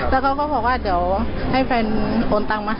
แล้วก็พอก็ว่าเดี๋ยวให้แฟนโอนตังมาให้